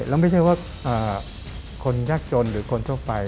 แล้วไม่ใช่ว่าคนยากจนหรือคนทั่วไป